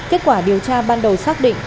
kết quả điều tra ban đầu xác định